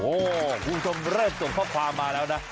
โอ้โห้ครูสมเรชส่งข้อความมาแล้วนะ